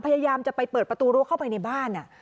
พยายามจะไปเปิดประตูรั้วเข้าไปในบ้าน